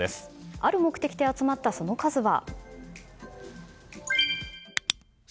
ある目的で集まったその数は。